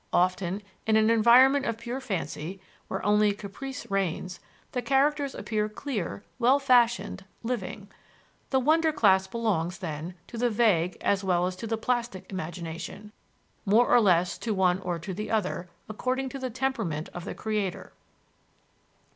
Often, in an environment of pure fancy, where only caprice reigns, the characters appear clear, well fashioned, living. The "wonder" class belongs, then, to the vague as well as to the plastic imagination; more or less to one or to the other, according to the temperament of the creator.